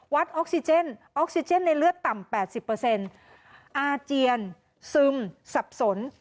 ออกซิเจนออกซิเจนในเลือดต่ำ๘๐อาเจียนซึมสับสน